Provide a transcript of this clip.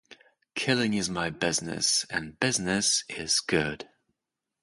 Killing Is My Business... and Business Is Good!